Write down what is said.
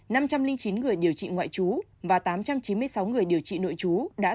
năm trăm linh chín người điều trị ngoại trú và tám trăm chín mươi sáu người điều trị nội trú